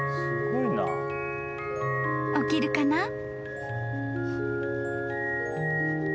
［起きるかな？］